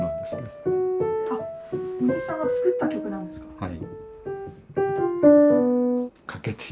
はい。